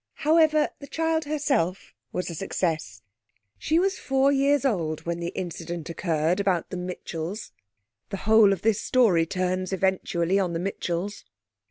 However the child herself was a success. She was four years old when the incident occurred about the Mitchells. The whole of this story turns eventually on the Mitchells.